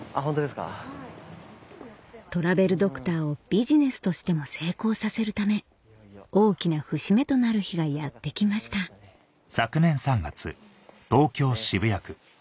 トラベルドクターをビジネスとしても成功させるため大きな節目となる日がやってきましたねぇ